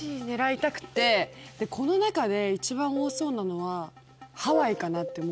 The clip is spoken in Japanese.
この中で一番多そうなのはハワイかなって思うんですよ。